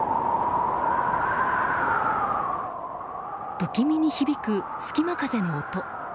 不気味に響く隙間風の音。